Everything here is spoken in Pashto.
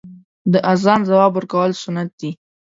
د اذان ځواب ورکول سنت دی .